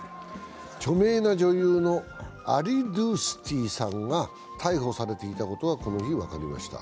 著名な女優のアリドゥスティさんが逮捕されていたことがこの日、分かりました。